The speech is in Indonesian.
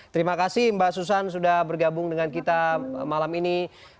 terima kasih mbak susan sudah bergabung dengan kita malam ini